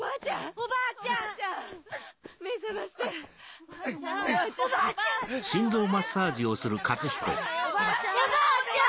おばあちゃん！